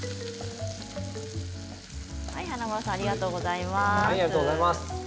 華丸さんありがとうございました。